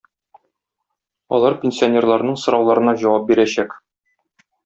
Алар пенсионерларның сорауларына җавап бирәчәк